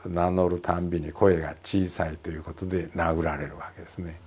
たんびに声が小さいということで殴られるわけですね。